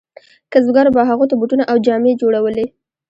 کسبګرو به هغو ته بوټونه او جامې جوړولې.